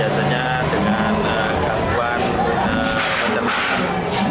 biasanya dengan gangguan pencernaan